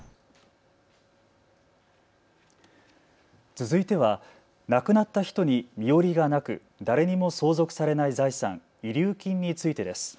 続いては亡くなった人に身寄りがなく誰にも相続されない財産、遺留金についてです。